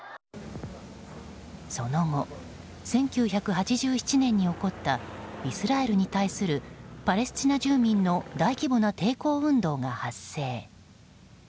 その後、１９８７年に起こったイスラエルに対するパレスチナ住民の大規模な抵抗運動が発生。